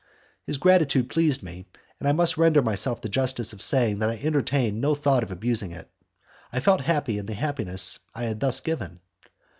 His gratitude pleased me, and I must render myself the justice of saying that I entertained no thought of abusing it. I felt happy in the happiness I had thus given.